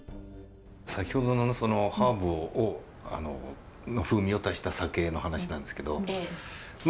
先ほどのハーブの風味を足した酒の話なんですけどまあ